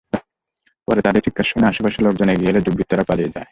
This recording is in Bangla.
পরে তাদের চিৎকার শুনে আশপাশের লোকজন এগিয়ে এলে দুর্বৃত্তরা পালিয়ে যায়।